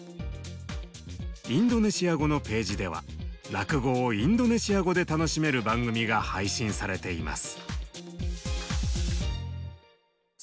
インドネシア語のページでは落語をインドネシア語で楽しめる番組が配信されています。